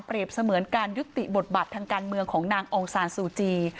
การเปรียบเสมือนการยุติบทบัตรทางการเมืองของนางองศาลซูจี